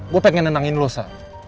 gue pengen nenangin lu sa